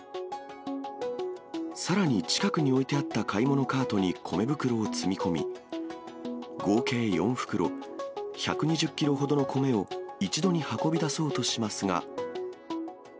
さらに、近くに置いてあった買い物カートに米袋を詰め込み、合計４袋、１２０キロほどの米を一度に運び出そうとしますが。